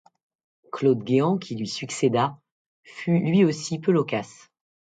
Claude Guéant qui lui succéda fut lui aussi peu loquace.